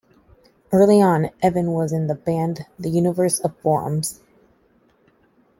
Early on, Evan was in the band The Universe of Forums.